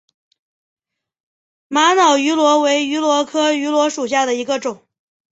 玛瑙芋螺为芋螺科芋螺属下的一个种。